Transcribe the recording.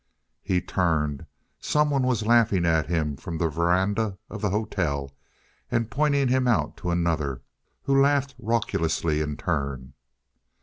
He turned. Someone was laughing at him from the veranda of the hotel and pointing him out to another, who laughed raucously in turn.